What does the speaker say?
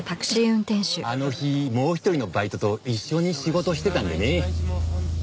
あの日もう一人のバイトと一緒に仕事してたんでね。